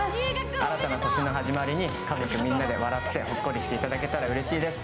新たな年の始まりに家族みんなで笑ってほっこりしていただけたらうれしいです。